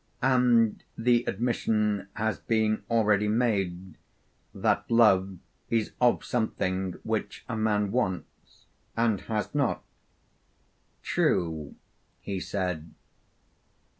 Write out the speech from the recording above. And the admission has been already made that Love is of something which a man wants and has not? True, he said.